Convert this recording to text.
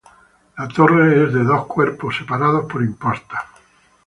La torre es de dos cuerpos separados por imposta.